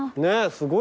すごい。